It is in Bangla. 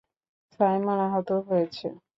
সাইমন আহত হয়েছে!